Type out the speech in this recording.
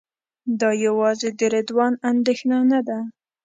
دا یوازې د رضوان اندېښنه نه ده.